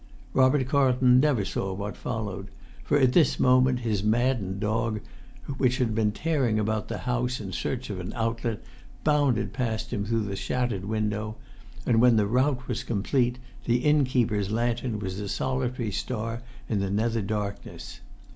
Robert Carlton never saw what followed; for at this moment his maddened dog, which had been tearing about the house in search of an outlet, bounded past him through the shattered window; and, when the rout was complete, the inn keeper's lantern was a solitary star in the nether darkness.